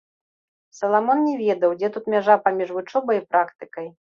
Саламон не ведаў, дзе тут мяжа паміж вучобай і практыкай.